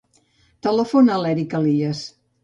Telefona a l'Erick Alias.